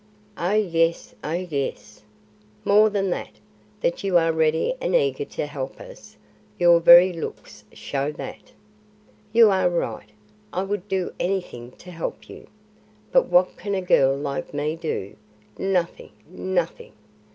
"O yes, O yes." "More than that, that you are ready and eager to help us. Your very looks show that." "You are right; I would do anything to help you. But what can a girl like me do? Nothing; nothing.